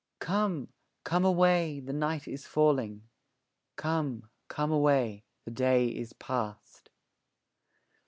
Come, come away, the night is falling; 'Come, come away, the day is past.'